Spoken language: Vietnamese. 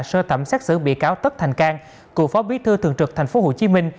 sơ thẩm xét xử bị cáo tất thành cang cựu phó bí thư thường trực tp hcm